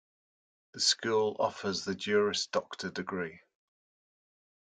The school offers the Juris Doctor degree.